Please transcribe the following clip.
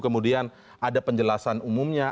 kemudian ada penjelasan umumnya